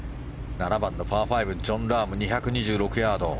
７番のパー５ジョン・ラーム２２６ヤード。